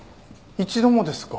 一度もですか。